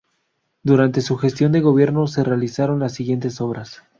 Durante su gestión de gobierno se realizaron las siguientes obras